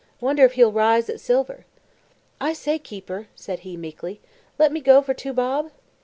Wonder if he'll rise at silver." "I say, keeper," said he, meekly, "let me go for two bob?"